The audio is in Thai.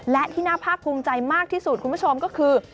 และที่น่าภาคภูมิใจมากที่สุดคุณผู้ชมก็คือ